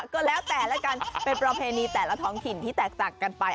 ก็แล้วแต่ละกันเป็นประเพณีแต่ละท้องถิ่นที่แตกต่างกันไป